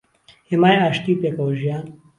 هێمای ئاشتی و پێکەوەژیان